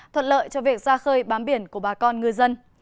thuật lợi cho việc ra khơi bám biển của bà con người dân